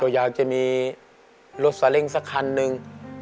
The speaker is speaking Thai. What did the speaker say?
ตัวอย่างจะมีรถสาเร็งสักคันหนึ่ง